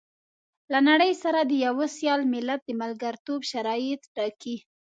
له نړۍ سره د يوه سيال ملت د ملګرتوب شرايط ټاکي.